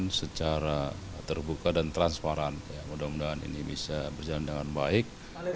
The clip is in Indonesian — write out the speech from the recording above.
dan secara terbuka dan transparan mudah mudahan ini bisa berjalan dengan baik